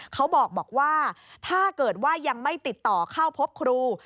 เขาบอกว่าถ้าเกิดว่ายังไม่ติดต่อเข้าพบครู